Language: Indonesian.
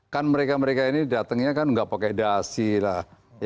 kan mereka mereka ini datangnya kan nggak pakai dasi lah